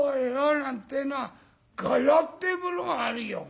なんてえのは柄ってえものがあるよ。